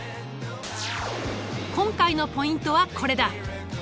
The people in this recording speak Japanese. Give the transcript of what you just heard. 今回のポイントはこれだ。